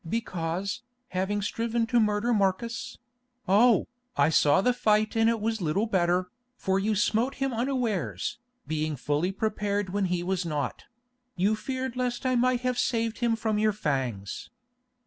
Because, having striven to murder Marcus—oh! I saw the fight and it was little better, for you smote him unawares, being fully prepared when he was not—you feared lest I might have saved him from your fangs.